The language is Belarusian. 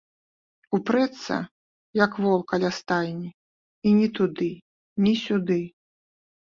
Упрэцца, як вол каля стайні, і ні туды, ні сюды.